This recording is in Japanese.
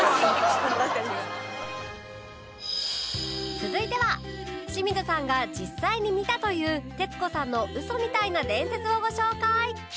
続いては清水さんが実際に見たという徹子さんのウソみたいな伝説をご紹介！